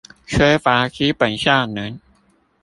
缺乏基本效能